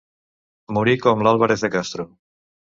Morir com l'Álvarez de Castro.